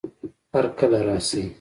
هر کله راشئ